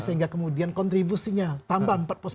sehingga kemudian kontribusinya tambah